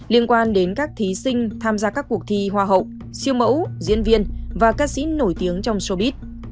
liên quan đến các thí sinh tham gia các cuộc thi hoa hậu siêu mẫu diễn viên và ca sĩ nổi tiếng trong sobit